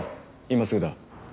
今すぐだ。